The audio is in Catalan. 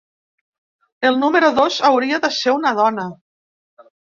El número dos hauria de ser una dona.